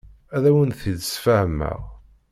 Ad awen-t-id-sfehmeɣ.